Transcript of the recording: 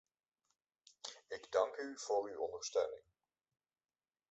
Ik dank u voor uw ondersteuning.